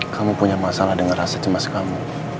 kamu punya masalah dengan rasa cemas kamu